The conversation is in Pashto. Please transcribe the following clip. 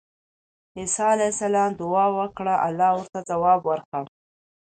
عيسی عليه السلام دعاء وکړه، الله ورته ځواب ورکړ